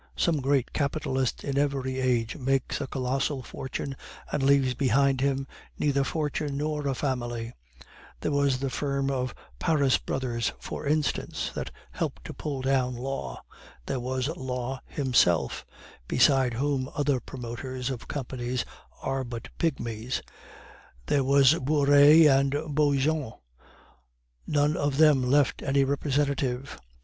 Some great capitalist in every age makes a colossal fortune, and leaves behind him neither fortune nor a family; there was the firm of Paris Brothers, for instance, that helped to pull down Law; there was Law himself (beside whom other promoters of companies are but pigmies); there was Bouret and Beaujon none of them left any representative.